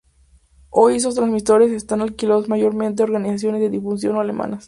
Hoy estos transmisores están alquilados mayormente a organizaciones de difusión no alemanas.